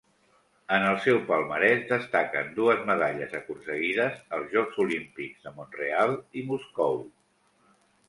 En el seu palmarès destaquen dues medalles aconseguides als Jocs Olímpics de Mont-real i Moscou.